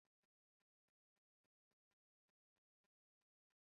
nyamara abavandimwe twazamukanye